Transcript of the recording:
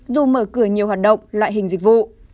dù mở cửa nhiều hoạt động loại hình dịch vụ